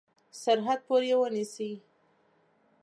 سرحد پوري ونیسي.